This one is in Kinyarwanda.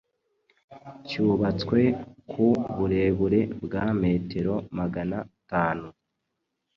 cyubatswe ku burebure bwa metero magana tanu